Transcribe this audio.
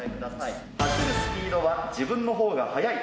走るスピードは自分のほうが速い。